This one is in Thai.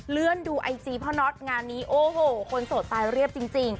เลื่อนดูไอจีพ่อน็อตงานนี้โอ้โหคนโสดตายเรียบจริง